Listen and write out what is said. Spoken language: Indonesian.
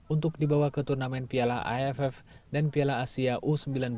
untuk dibawa ke turnamen piala aff dan piala asia u sembilan belas